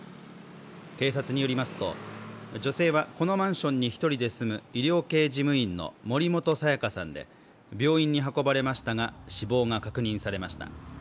警察によりますと女性はこのマンションに１人で住む医療系事務員の森本彩香さんで病院に運ばれましたが死亡しました。